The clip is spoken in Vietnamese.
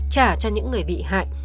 trả cho những người bị hại